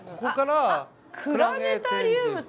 あっ「クラネタリウム」って。